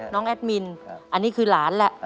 แอดมินอันนี้คือหลานแหละ